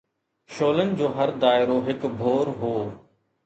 شعلن جو هر دائرو هڪ ڀور هو